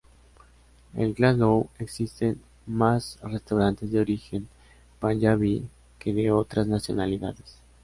En Glasgow existen más restaurantes de origen panyabí que de otras nacionalidades.